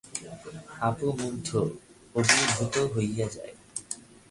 অপু মুগ্ধ, অভিভূত হইয়া যায়!